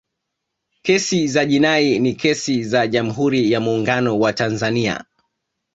kesi za jinai ni kesi za jamhuri ya muungano wa tanzania